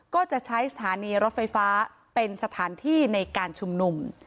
ก็จะใช้สถานีรถไฟฟ้าเป็นสถานที่ในการชุมนุม